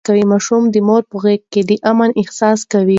ماشوم د مور په غېږ کې د امن احساس کاوه.